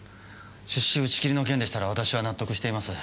出資打ち切りの件でしたら私は納得しています。